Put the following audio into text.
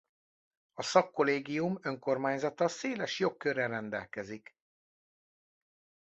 A szakkollégium önkormányzata széles jogkörrel rendelkezik.